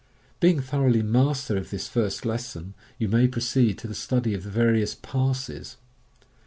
Being thoroughly master of this first lesson, you may proceed to the study of the various " passes."